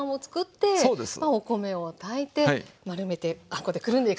お米を炊いて丸めてあんこでくるんでいく。